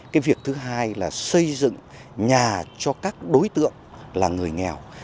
cái việc thứ hai là xây dựng nhà cho các đối tượng là người nghèo